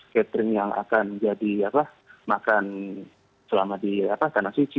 catering yang akan jadi makan selama di tanah suci